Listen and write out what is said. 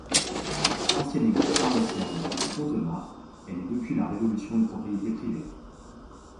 Ancienne église paroissiale de Frontenat, elle est depuis la Révolution une propriété privée.